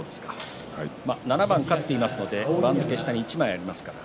７番勝っているので番付下に一枚あります。